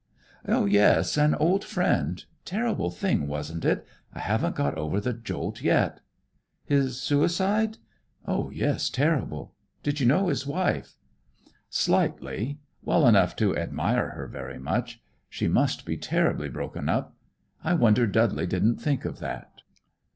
"Yes. An old friend. Terrible thing, wasn't it? I haven't got over the jolt yet." "His suicide? Yes, terrible! Did you know his wife?" "Slightly. Well enough to admire her very much. She must be terribly broken up. I wonder Dudley didn't think of that."